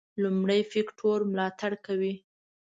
لومړي فکټور ملاتړ کوي.